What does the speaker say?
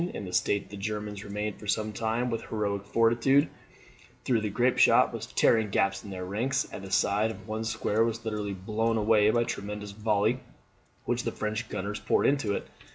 In this state the Germans remained for some time with heroic fortitude, though the grape shot was tearing gaps in their ranks and the side of one square was literally blown away by one tremendous volley which the French gunners poured into it.